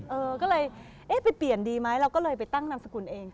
เออก็เลยเอ๊ะไปเปลี่ยนดีไหมเราก็เลยไปตั้งนามสกุลเอง